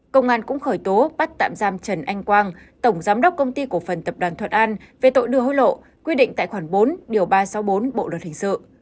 công an cũng khởi tố bắt tạm giam trần anh quang tổng giám đốc công ty cổ phần tập đoàn thuận an về tội đưa hối lộ quy định tại khoản bốn điều ba trăm sáu mươi bốn bộ luật hình sự